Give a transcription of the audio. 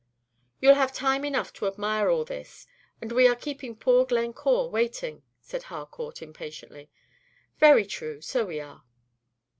"You 'll have time enough to admire all this; and we are keeping poor Glencore waiting," said Harcourt, impatiently. "Very true; so we are."